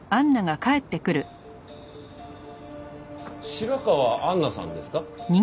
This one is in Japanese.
白河杏奈さんですか？